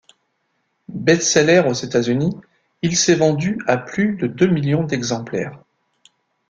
Best-seller aux États-Unis, il s'est vendu à plus de deux millions d'exemplaires.